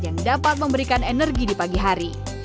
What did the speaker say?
yang dapat memberikan energi di pagi hari